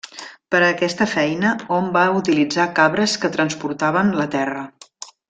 Per a aquesta feina, hom va utilitzar cabres que transportaven la terra.